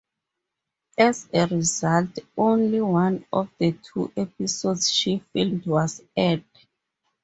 As a result, only one of the two episodes she filmed was aired.